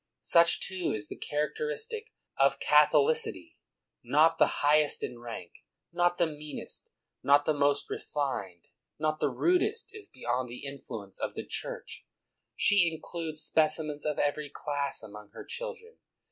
Such, too, is the characteristic of Catholicity; not the highest in rank, not the meanest, not the most refined, not the n^dest, is beyond the in fluence of the Church : she includes specimens of every class among her children.